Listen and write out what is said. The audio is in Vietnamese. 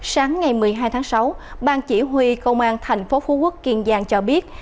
sáng ngày một mươi hai tháng sáu ban chỉ huy công an thành phố phú quốc kiên giang cho biết